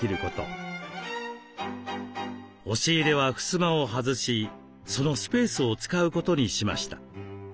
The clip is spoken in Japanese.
押し入れはふすまを外しそのスペースを使うことにしました。